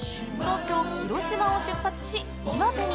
広島を出発し、岩手に。